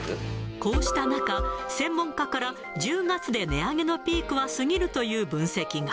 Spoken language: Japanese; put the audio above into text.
こうした中、専門家から、１０月で値上げのピークは過ぎるという分析が。